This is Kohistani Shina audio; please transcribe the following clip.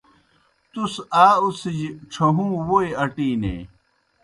تُس آ اُڅِھجیْ ڇھہُوں ووئی اٹینیئی۔